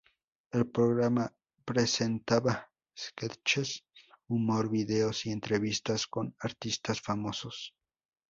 El programa presentaba sketches, humor, videos y entrevistas con artistas famosos.